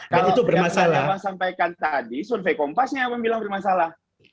kalau yang abang sampaikan tadi survei kompasnya yang aku bilang bermasalah